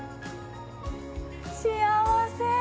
幸せ。